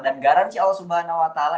dan garansi allah subhanahu wa ta'ala